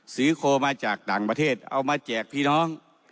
โคมาจากต่างประเทศเอามาแจกพี่น้อง